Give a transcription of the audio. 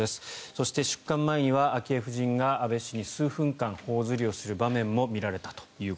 そして出棺前には昭恵夫人が安倍氏に、数分間頬ずりする姿も見られたと。